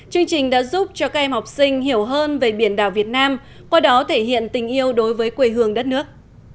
chương trình đã giúp cho các em học sinh hiểu hơn về biển đảo việt nam qua đó thể hiện tình yêu đối với quê hương đất nước